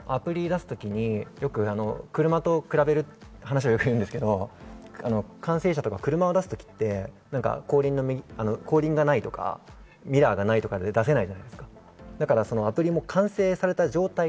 アプリを出すときによく車と比べる話を言うんですけど、車を出すときって後輪がないとか、ミラーがないとかで出せないじゃないですか。